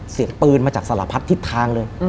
เสียงปืนมาจากสารพัดทิศทางเลย